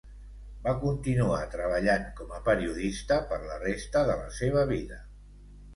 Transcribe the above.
Va continuar treballant com a periodista per la resta de la seva vida.